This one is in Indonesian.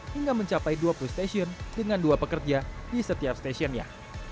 hingga mencapai dua puluh stasiun dengan dua pekerja di setiap stasiunnya